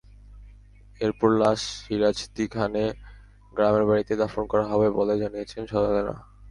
এরপর লাশ সিরাজদিখানে গ্রামের বাড়িতে দাফন করা হবে বলে জানিয়েছেন স্বজনেরা।